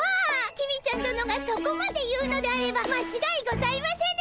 公ちゃん殿がそこまで言うのであればまちがいございませぬ！